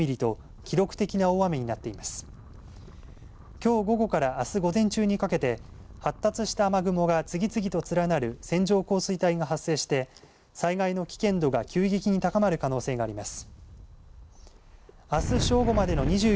きょう午後からあす午前中にかけて発達した雨雲が次々と連なる線状降水帯が発生して災害の危険度が急激に高まる可能性があります。